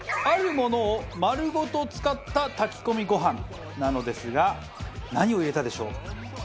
あるものを丸ごと使った炊き込みご飯なのですが何を入れたでしょう？